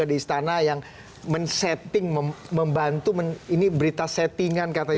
ini berita settingan katanya